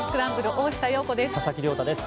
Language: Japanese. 大下容子です。